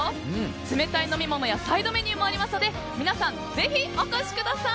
冷たい飲み物やサイドメニューもありますので皆さん、ぜひお越しください！